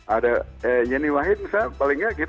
ada yeni wahid misalnya paling nggak kita